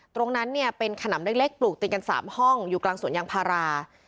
ตรงนั้นเนี่ยเป็นขนำเล็กปลูกติดกัน๓ห้องอยู่กลางสวนยางพารา